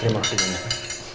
terima kasih banyak ya